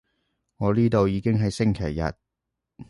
我呢度已經係星期日